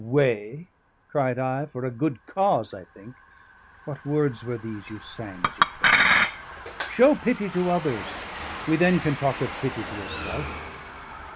"Wae?" cried I. "For a good cause, I think. What words were these you sang as you came in? Show pity to others, we then can talk of pity to yourself.